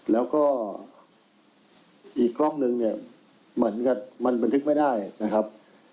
แล้วก็อีกกล้องนึงเนี่ยเหมือนกับมันบันทึกไม่ได้นะครับ